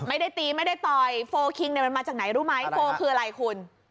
ไม่ได้ตีไม่ได้ต่อยโฟลคิงเนี่ยมันมาจากไหนรู้ไหมโฟลคืออะไรคุณ